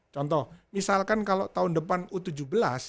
contoh misalkan kalau tahun depan u tujuh belas